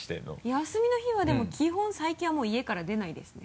休みの日はでも基本最近はもう家から出ないですね。